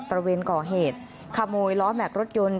บอกตระเวนเกาะเหตุขโมยล้อแมกรถยนต์